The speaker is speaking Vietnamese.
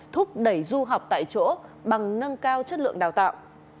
thúc đẩy du học tại chỗ bằng nâng cao chất lượng đào tạo